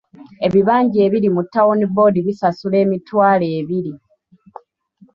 Ebibanja ebiri mu Town Board bisasula emitwalo ebiri.